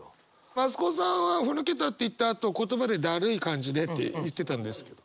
増子さんは腑抜けたって言ったあと言葉でだるい感じでって言ってたんですけど。